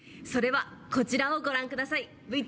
それはこちらをご覧下さい。